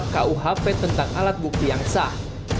kuhp tentang alat bukti yang sah